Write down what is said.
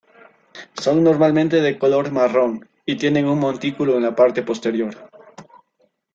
Son normalmente de color marrón y tienen un montículo en la parte posterior.